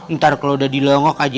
ntar kalau udah dilongok aja